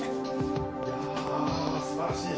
いやぁすばらしい！